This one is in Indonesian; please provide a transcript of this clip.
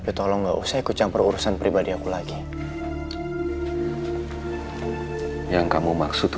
bisanya sudah diangkat